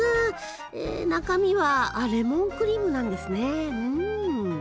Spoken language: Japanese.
え中身はあレモンクリームなんですね。